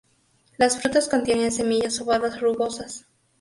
Las frutas contienen semillas ovadas rugosas.